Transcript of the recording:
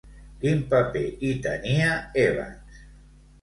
Quin paper hi tenia Evans?